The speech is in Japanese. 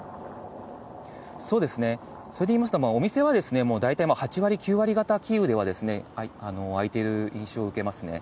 それで言いますと、お店は大体８割、９割方キーウでは開いている印象を受けますね。